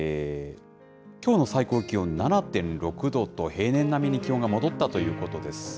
きょうの最高気温７．６度と、平年並みに気温が戻ったということです。